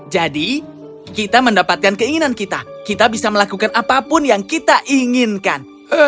jadi kita mendapatkan keinginan kita kita bisa melakukan apapun yang kita inginkan